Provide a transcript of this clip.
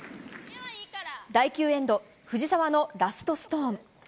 第９エンド藤澤のラストストーン。